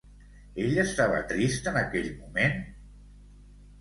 Ell estava trist en aquell moment?